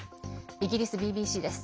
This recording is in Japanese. イギリスＢＢＣです。